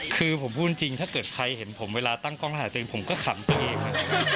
คือผมพูดจริงถ้าเกิดใครเห็นผมเวลาตั้งกล้องถ่ายจริงผมก็ขำเองค่ะ